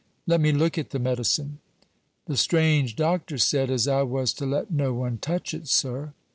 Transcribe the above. "Let me look at the medicine." "The strange doctor said as I was to let no one touch it, sir."